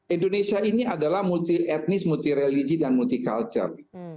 indonesia ini adalah multi etnis multi religi dan multi culture